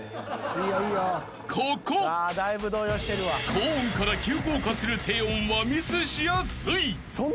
［高音から急降下する低音はミスしやすい］